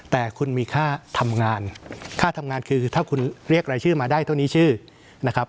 แต่คุณมีค่าทำงานค่าทำงานคือถ้าคุณเรียกรายชื่อมาได้เท่านี้ชื่อนะครับ